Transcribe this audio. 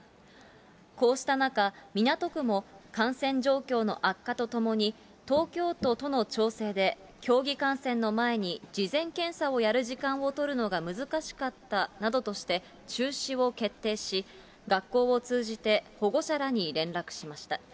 こうした中、港区も感染状況の悪化とともに、東京都との調整で、競技観戦の前に事前検査をやる時間を取るのが難しかったなどとして、中止を決定し、学校を通じて保護者らに連絡しました。